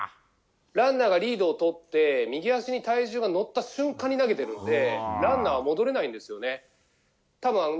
ランナーがリードをとって右足に体重が乗った瞬間に投げてるのでランナーは戻れないんですね。